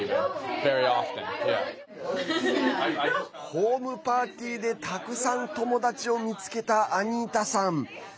ホームパーティーでたくさん、友達を見つけたアニータさん。